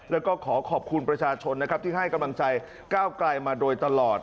แล้วก็ขอขอบคุณประชาชนนะครับที่ให้กำลังใจก้าวไกลมาโดยตลอด